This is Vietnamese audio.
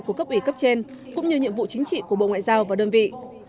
của cấp ủy cấp trên cũng như nhiệm vụ chính trị của bộ ngoại giao và đơn vị